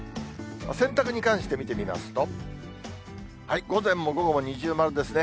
洗濯に関して見てみますと、午前も午後も二重丸ですね。